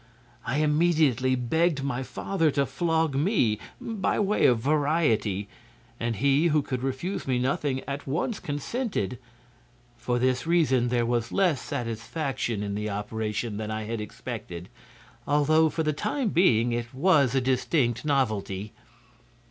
I immediately begged my father to flog me, by way of variety; and he, who could refuse me nothing, at once consented. For this reason there was less satisfaction in the operation than I had expected, although for the time being it was a distinct novelty.